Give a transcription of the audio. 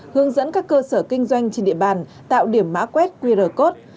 hướng dẫn các cơ sở kinh doanh trên địa bàn tạo điểm mã quét qr code